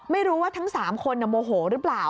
ไม่รู้ว่าทั้ง๓คนโมโหหรือเปล่า